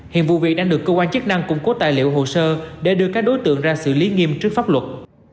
hiện vụ việc đang được cơ quan chức năng củng cố tài liệu hồ sơ để đưa các đối tượng ra xử lý nghiêm trước pháp luật